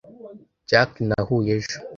Jack nahuye ejo.